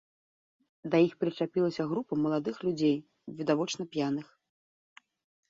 Да іх прычапілася група маладых людзей, відавочна, п'яных.